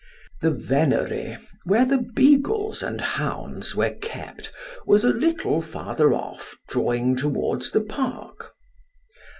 The venery, where the beagles and hounds were kept, was a little farther off, drawing towards the park.